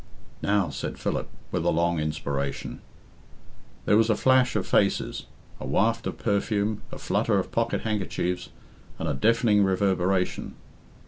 "Now," said Philip, with a long inspiration. There was a flash of faces, a waft of perfume, a flutter of pocket handkerchiefs, and a deafening reverberation.